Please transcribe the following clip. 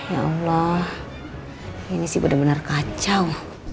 ya allah ini sih benar benar kacau